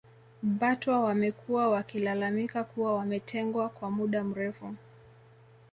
Batwa wamekuwa wakilalamika kuwa wametengwa kwa muda mrefu